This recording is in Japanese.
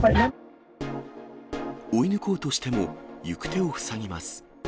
追い抜こうとしても、行く手を塞ぎます。